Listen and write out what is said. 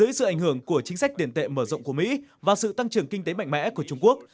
dưới sự ảnh hưởng của chính sách tiền tệ mở rộng của mỹ và sự tăng trưởng kinh tế mạnh mẽ của trung quốc